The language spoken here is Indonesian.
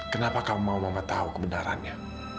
kenapa kamu mau tahu kebenarannya